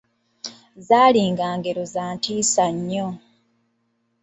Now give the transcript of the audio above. Zaalinga ngero za ntiisa nnyo.